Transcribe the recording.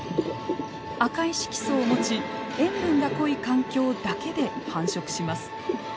赤い色素を持ち塩分が濃い環境だけで繁殖します。